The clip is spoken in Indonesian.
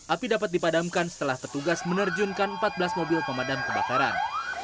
api dapat dipadamkan setelah petugas menerjunkan empat belas mobil pemadam kebakaran